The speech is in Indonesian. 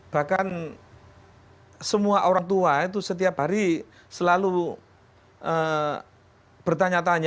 bahkan semua orang tua itu setiap hari selalu bertanya tanya